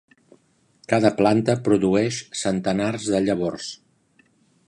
Cada planta produeix centenars de llavors.